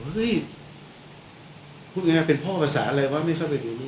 เฮ้ยพูดงานเป็นพ่อกลักษณ์อะไรวะไม่เคยอยู่